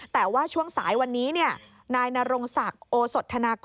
แต่ว่าช่วงสายวันนี้นายนรงศักดิ์โอสดธนากร